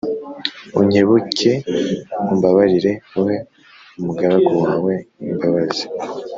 Unkebuke umbabarire Uhe umugaragu wawe imbabazi